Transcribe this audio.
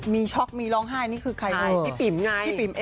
มีช็อกมีร้องไห้นี่คือใครเวอะพี่ปิ๊บไง